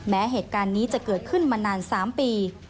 แม้เหตุการณ์นี้จะเกิดขึ้นมานาน๓ปี